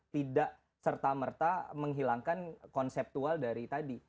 tidak serta merta menghilangkan konseptual dari tadi